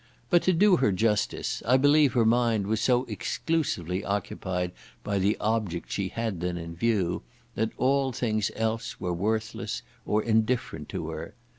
But to do her justice, I believe her mind was so exclusively occupied by the object she had then in view, that all things else were worthless, or indifferent to her.